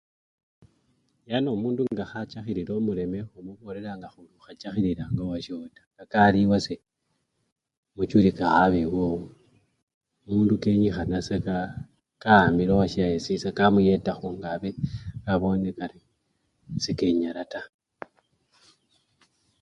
"Yani omundu nga khachakhilila omuleme khumubolelanga khuri okhachakhililanga owasyo taa, ""kakali ewase muchuli kakhabe ewowo"" mundu kenyikhana kawambila owasyewe sa sisa kamuyetakho nekabone kari sekenyala taa."